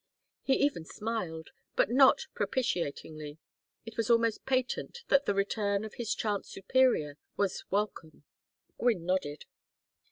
He even smiled, but not propitiatingly; it was almost patent that the return of his chance superior was welcome. Gwynne nodded.